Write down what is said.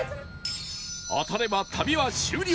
当たれば旅は終了！